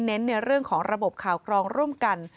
ในเรื่องของระบบข่าวครองร่วมกัน